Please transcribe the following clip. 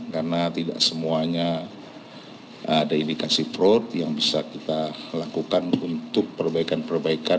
karena tidak semuanya ada indikasi fraud yang bisa kita lakukan untuk perbaikan perbaikan